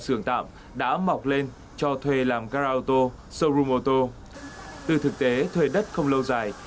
công an hà nam giải phóng lâu dài